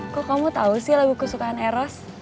kok kamu tau sih lagu kesukaan eros